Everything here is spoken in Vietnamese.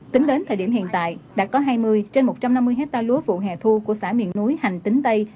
tính đến thời điểm hiện tại đã có hai mươi trên một trăm năm mươi hectare lúa vụ hè thu của xã miền núi hành tính tây